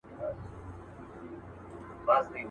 ویل بار د ژوندانه مي کړه ملا ماته.